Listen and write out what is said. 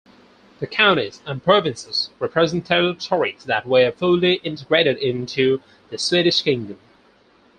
The Counties and Provinces represent territories that were fully integrated into the Swedish kingdom.